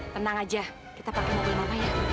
tenang aja kita pake mobil mama ya